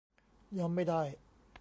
ยอมไม่ได้ !